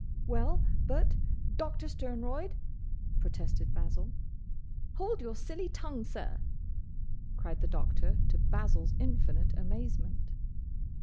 "Well, but, Doctor Sternroyd—" protested Basil. "Hold your silly tongue, sir!" cried the Doctor to Basil's infinite amazement.